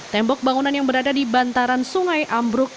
tembok bangunan yang berada di bantaran sungai ambruk